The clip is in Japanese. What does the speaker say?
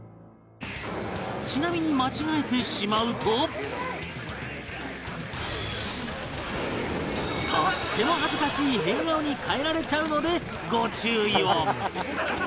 ちなみにとっても恥ずかしい変顔に変えられちゃうのでご注意を